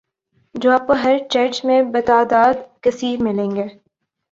جو آپ کو ہر چرچ میں بتعداد کثیر ملیں گے